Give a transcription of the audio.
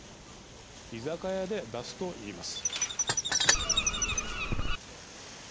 居酒屋で出すと言います。